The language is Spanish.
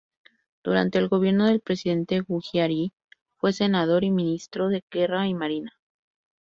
Durante el gobierno del presidente Guggiari fue senador y ministro de Guerra y Marina.